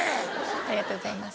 ありがとうございます。